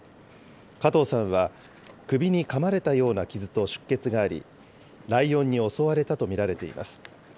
加藤さんは首にかまれたような傷と出血があり、ライオンに襲われたと見られています。